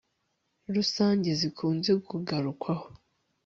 rusange zikunze kugarukwaho